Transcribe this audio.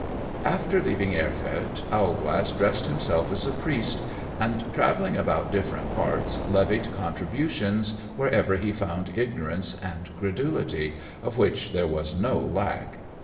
_ After leaving Erfurt, Owlglass dressed himself as a priest, and, travelling about different parts, levied contributions wherever he found ignorance and credulity, of which there was no lack.